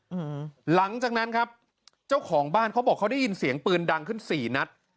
หลังจากนั้นครับเจ้าของบ้านเขาบอกเขาได้ยินเสียงปืนดังขึ้นสี่นัด